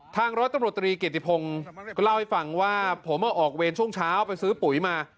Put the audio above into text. ร้อยตำรวจตรีเกียรติพงศ์ก็เล่าให้ฟังว่าผมออกเวรช่วงเช้าไปซื้อปุ๋ยมา